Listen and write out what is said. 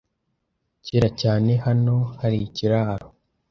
Kera cyane, hano hari ikiraro.